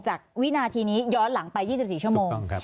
วินาทีนี้ย้อนหลังไป๒๔ชั่วโมง